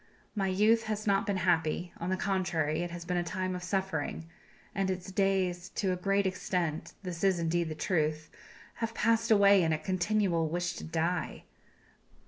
My youth has not been happy; on the contrary, it has been a time of suffering, and its days to a great extent this is indeed the truth have passed away in a continual wish to die.